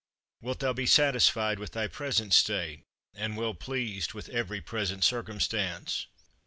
Wilt thou be satisfied with thy present state, and well pleased with every present circumstance?